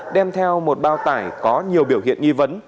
đem theo một bao tải có nhiều biểu hiện nghi vấn